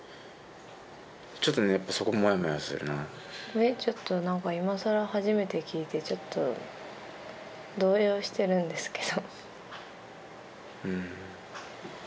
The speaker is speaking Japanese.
えっちょっと今更初めて聞いてちょっと動揺してるんですけど。